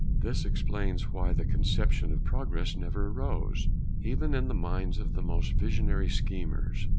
This explains why the conception of Progress never arose, even in the minds of the most visionary schemers.